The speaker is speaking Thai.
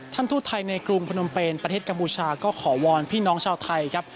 ท่านทูตไทยในกรุงพนมเป็นประเทศกัมพูชาก็ขอวอนพี่น้องชาวไทยครับ